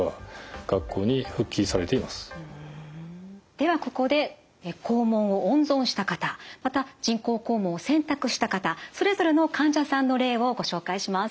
ではここで肛門を温存した方また人工肛門を選択した方それぞれの患者さんの例をご紹介します。